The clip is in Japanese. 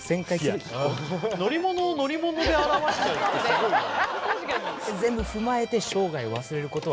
すごいね。